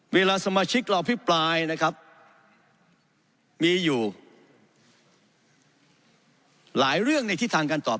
เวลาสมาชิกเราอภิปรายนะครับมีอยู่หลายเรื่องในทิศทางการตอบ